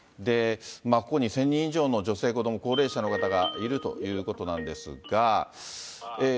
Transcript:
ここに１０００人以上の女性、子ども、高齢者の方がいるということなんですが。